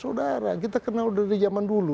saudara kita kenal dari zaman dulu